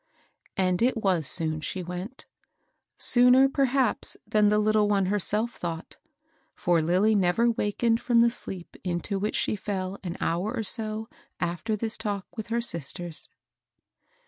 And it was soon she went, — sooner perhaps dian the little one herself thought ; for Lilly never wakened from the sleep into which she fell an hour or so after this talk with her sisters.